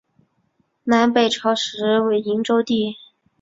南北朝时为营州地。